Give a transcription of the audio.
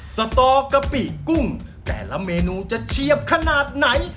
สตอกะปิกุ้งแต่ละเมนูจะเฉียบขนาดไหน